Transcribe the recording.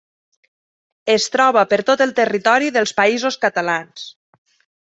Es troba per tot el territori dels Països Catalans.